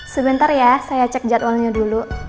sebentar ya saya cek jadwalnya dulu